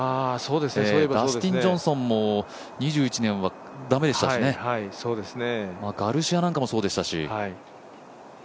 ダスティン・ジョンソンも２１年はだめでしたしね、ガルシアなんかもそうでしたし。